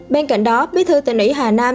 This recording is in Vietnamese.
bên cạnh đó bí thư tỉnh ủy hà nam